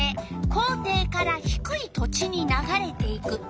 「校庭からひくい土地にながれていく」。